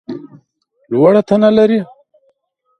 لوړه تنه لرې !